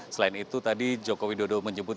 selain itu tadi jokowi dodo menyebut